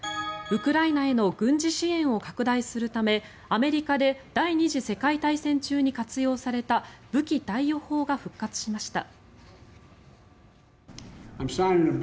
ウクライナへの軍事支援を拡大するためアメリカで第２次世界大戦中に活用された武器貸与法が復活しました。